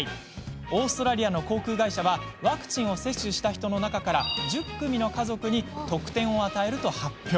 オーストラリアの航空会社はワクチンを接種した人の中から１０組の家族に特典を与えると発表。